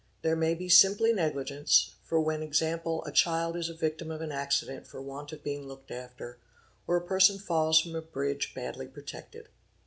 There may be simply negligence, when for example a child is a victim of an accident for want of being looked after, ora person } falls from a bridge badly protected.